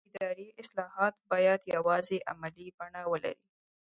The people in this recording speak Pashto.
اداري اصلاحات باید یوازې عملي بڼه ولري